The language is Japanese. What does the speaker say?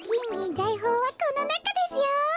ざいほうはこのなかですよ。